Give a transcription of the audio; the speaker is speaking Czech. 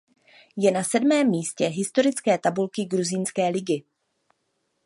Je na sedmém místě historické tabulky gruzínské ligy.